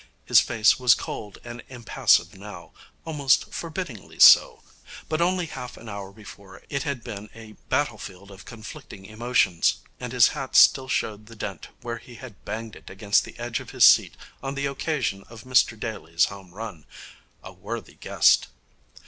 His face was cold and impassive now, almost forbiddingly so; but only half an hour before it had been a battle field of conflicting emotions, and his hat still showed the dent where he had banged it against the edge of his seat on the occasion of Mr Daly's home run. A worthy guest!